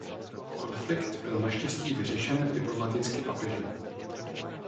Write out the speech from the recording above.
Konflikt byl naštěstí vyřešen diplomaticky papežem.